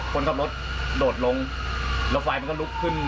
คนขับรถโดดลงแล้วไฟมันก็ลุกขึ้น